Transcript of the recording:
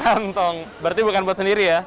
dua puluh kantong berarti bukan buat sendiri ya